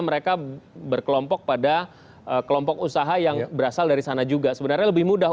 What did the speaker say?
mereka berkelompok pada kelompok usaha yang berasal dari sana juga sebenarnya lebih mudah